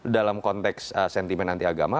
dalam konteks sentimen antiagama